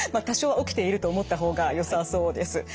多少は起きていると思った方がよさそうです。